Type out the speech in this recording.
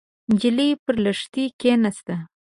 نجلۍ پر لښتي کېناسته.